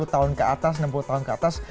sepuluh tahun ke atas enam puluh tahun ke atas